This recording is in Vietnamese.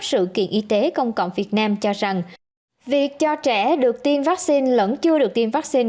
sự kiện y tế công cộng việt nam cho rằng việc cho trẻ được tiêm vaccine vẫn chưa được tiêm vaccine